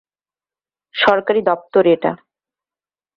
সরকারি দপ্তর এটা।